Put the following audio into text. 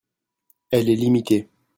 Elle est limitée